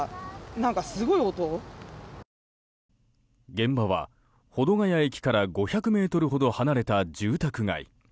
現場は保土ケ谷駅から５００ｍほど離れた住宅街。